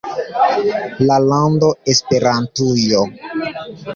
La lando Esperantujo.